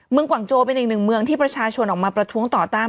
กวางโจเป็นอีกหนึ่งเมืองที่ประชาชนออกมาประท้วงต่อต้าน